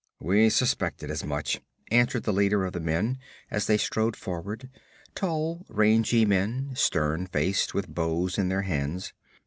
'We suspected as much,' answered the leader of the men, as they strode forward tall, rangy men, stern faced, with bows in their hands.